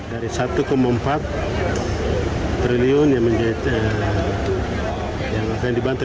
dari satu empat triliun yang akan dibantu